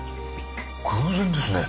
偶然ですね。